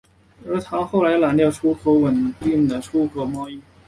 而糖及后来的染料出口稳定了该岛的出口贸易。